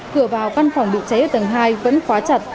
cửa vào căn phòng bị cháy ở tầng hai vẫn khóa chặt